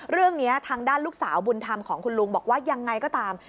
เรื่องนี้ทางด้านลูกสาวบุญธรรมของคุณลุงบอกว่ายังไงก็ตาม